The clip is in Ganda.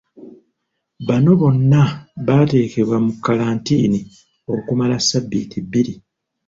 Bano bonna bateekebwa mu kalantiini okumala ssabbiiti bbiri.